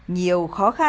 nhiều khó khăn